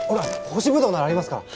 干しブドウならありますから。